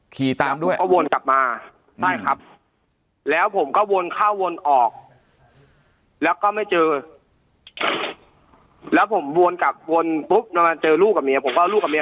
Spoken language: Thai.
ตามด้วยก็วนกลับมาใช่ครับแล้วผมก็วนเข้าวนออกแล้วก็ไม่เจอแล้วผมวนกลับวนปุ๊บมันเจอลูกกับเมียผมก็ลูกกับเมีย